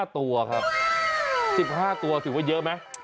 ๕ตัวครับ๑๕ตัวถือว่าเยอะไหม